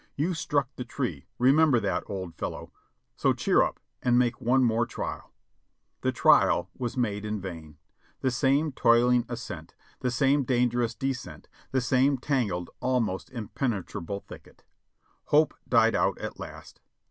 You struck the tree, remember that, old fellow ! So cheer up and make one more trial !" ,The trial was made in vain; the same toiling ascent, the same dangerous descent, and the same tangled, almost impenetrable thicket. Hope died out at last